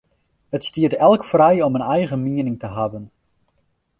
It stiet elk frij om in eigen miening te hawwen.